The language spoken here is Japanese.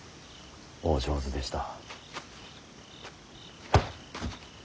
お上手でした。